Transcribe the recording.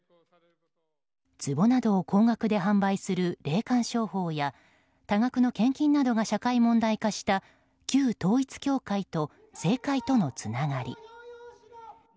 壺などを高額で販売する霊感商法や多額の献金などが社会問題化した旧統一教会と政界とのつながり。